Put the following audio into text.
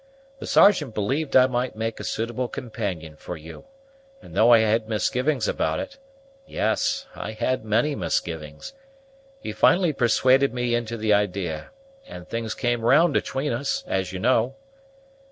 The Sergeant believed I might make a suitable companion for you, and, though I had misgivings about it, yes, I had many misgivings, he finally persuaded me into the idee, and things came round 'atween us, as you know.